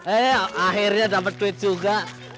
ayo akhirnya dapet duit juga